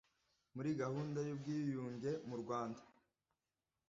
muri gahunda y'ubwiyunge mu rwanda.